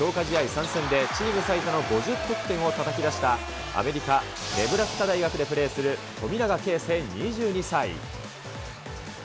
３戦でチーム最多の５０得点をたたき出したアメリカ・ネブラスカ大学で富永啓生２２歳。